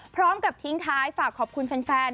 พร้อมกับทิ้งท้ายฝากขอบคุณแฟน